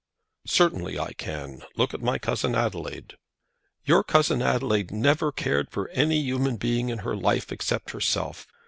"Certainly I can. Look at my cousin Adelaide." "Your cousin Adelaide never cared for any human being in her life except herself.